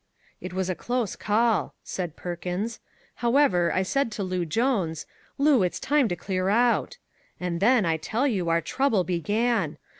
"It was a close call," said Parkins. "However, I said to Loo Jones, 'Loo, it's time to clear out.' And then, I tell you, our trouble began.